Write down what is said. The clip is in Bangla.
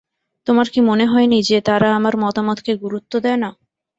তোমার কি মনে হয়নি যে তারা আমার মতামতকে গুরুত্ব দেয় না?